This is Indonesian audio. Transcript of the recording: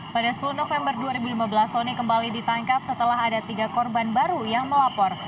pada sepuluh november dua ribu lima belas soni kembali ditangkap setelah ada tiga korban baru yang melapor